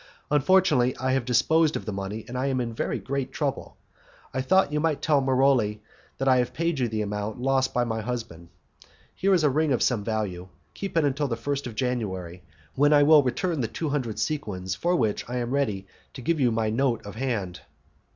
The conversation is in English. Unfortunately I have disposed of the money, and I am in great trouble. I thought you might tell Maroli that I have paid you the amount lost by my husband. Here is a ring of some value; keep it until the 1st of January, when I will return the two hundred sequins for which I am ready to give you my note of hand."